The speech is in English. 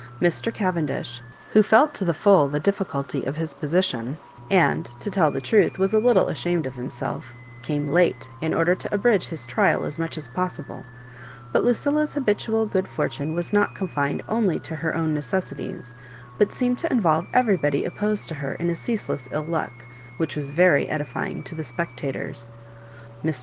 Mr. Cavendish, who felt to the full the difficulty of his position, and, to tell the truth, was a little ashamed of himself came late, in order to abridge his trial as much as possible; but Lucilla's habitual good for tune was Hot confined only to her own necessi ties, but seemed to involve everybody opposed to her in a ceaseless ill luck, which was very edify ing to the spectators. Mr.